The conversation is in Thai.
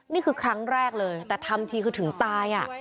นี่คือครั้งแรกเลยแต่ทำทีคือถึงตาย